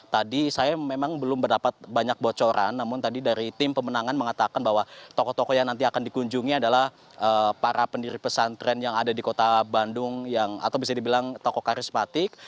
tadi saya memang belum mendapat banyak bocoran namun tadi dari tim pemenangan mengatakan bahwa tokoh tokoh yang nanti akan dikunjungi adalah para pendiri pesantren yang ada di kota bandung yang atau bisa dibilang tokoh karismatik